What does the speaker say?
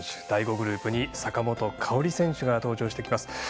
第５グループに坂本花織選手が登場してきます。